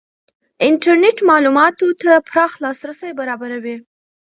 انټرنېټ معلوماتو ته پراخ لاسرسی برابروي.